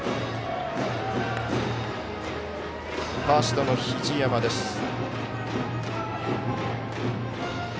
ファーストの日出山です。